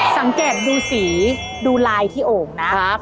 สังเกตดูสีดูลายที่โอ่งนะ